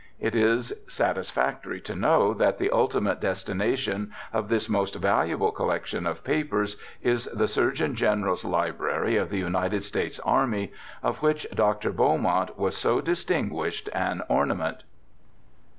It is satisfactory to know that the ultimate destina tion of this most valuable collection of papers is i86 BIOGRAPHICAL ESSAYS the Surgeon General's Library of the United States Army, ofwhich Dr. Beaumont was so distinguished an ornament.